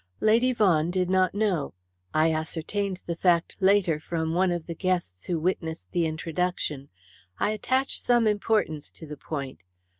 "Lady Vaughan did not know. I ascertained the fact later from one of the guests who witnessed the introduction. I attach some importance to the point.